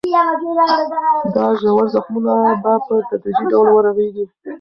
دا ژور زخمونه به په تدریجي ډول ورغېږي.